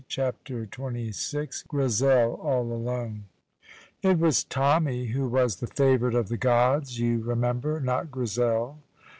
CHAPTER XXVI GRIZEL ALL ALONE It was Tommy who was the favoured of the gods, you remember, not Grizel.